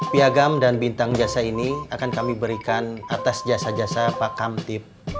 piagam dan bintang jasa ini akan kami berikan atas jasa jasa pak kamtip